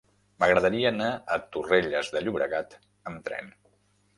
M'agradaria anar a Torrelles de Llobregat amb tren.